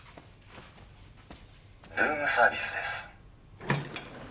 ルームサービスです。